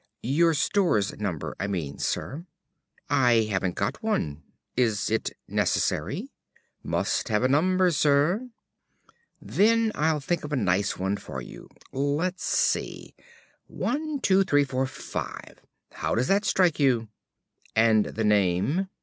"Your Stores number, I mean, Sir." "I haven't got one. Is it necessary?" "Must have a number, Sir." "Then I'll think of a nice one for you.... Let's see 12345, how does that strike you?" "And the name?"